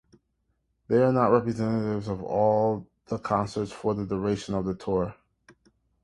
They are not representative of all concerts for the duration of the tour.